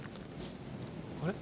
「あれ？」